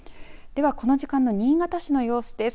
ではこの時間の新潟市の様子です。